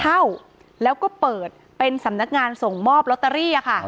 อ๋อเจ้าสีสุข่าวของสิ้นพอได้ด้วย